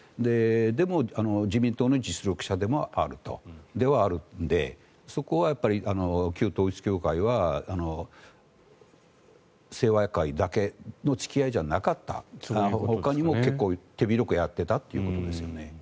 でも自民党の実力者ではあるのでそこは旧統一教会は清和会だけの付き合いじゃなかったそのほかにも結構、手広くやっていたということですよね。